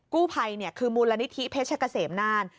กู้ภัยเนี่ยคือมูลณนิธิพิศชะเกษมนาน